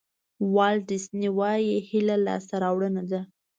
والټ ډیسني وایي هیله لاسته راوړنه ده.